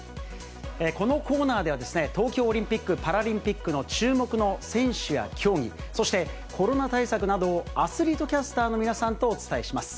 このコーナーでは、東京オリンピック・パラリンピックの注目の選手や競技、そしてコロナ対策などをアスリートキャスターの皆さんとお伝えします。